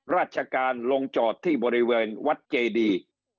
ราชการลงจอดที่บริเวณวัดเจดี